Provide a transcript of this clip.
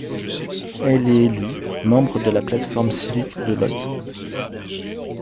Elle est élue membre de la Plate-forme civique de Łódź.